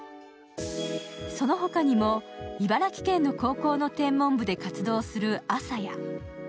その他にも、茨城県の高校の天文部で活動する亜紗や。